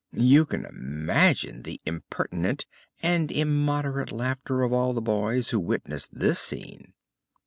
You can imagine the impertinent and immoderate laughter of all the boys who witnessed this scene.